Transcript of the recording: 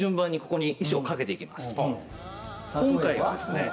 今回はですね